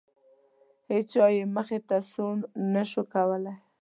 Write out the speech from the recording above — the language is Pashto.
هیچا یې مخې ته سوڼ نه شو کولی.